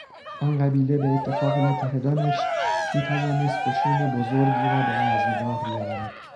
آن قبیله به اتفاق متحدانش میتوانست قشون بزرگی را به رزمگاه بیاورد.